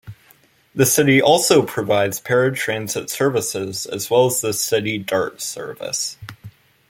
The city also provides paratransit services as well as the City Dart Service.